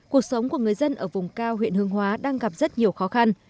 cuộc sống của người dân ở vùng cao huyện hương hóa đang gặp rất nhiều khó khăn